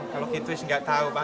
kalau gitu nggak tahu